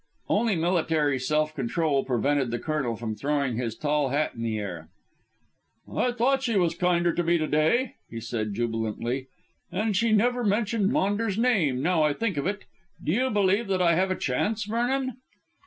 Only military self control prevented the Colonel from throwing his tall hat in the air. "I thought she was kinder to me to day," he said jubilantly, "and she never mentioned Maunders' name, now I think of it. Do you believe that I have a chance, Vernon?"